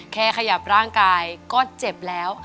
ขยับร่างกายก็เจ็บแล้ว